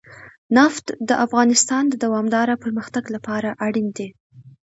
نفت د افغانستان د دوامداره پرمختګ لپاره اړین دي.